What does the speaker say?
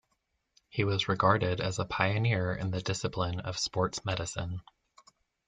He was regarded as a pioneer in the discipline of sports medicine.